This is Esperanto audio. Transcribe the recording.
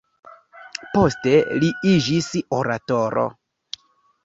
Poste li iĝis oratoro.